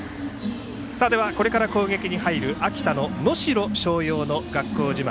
これから攻撃に入る秋田の能代松陽の学校自慢。